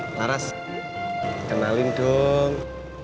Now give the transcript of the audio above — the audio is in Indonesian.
laras kenalin dong